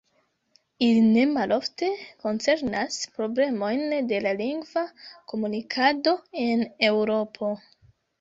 Ili ne malofte koncernas problemojn de la lingva komunikado en Eŭropo.